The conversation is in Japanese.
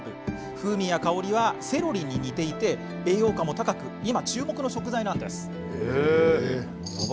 風味、香りはセロリに似ていて栄養価も高く今、注目の食材なんです。